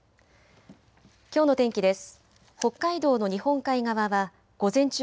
きょうの天気です。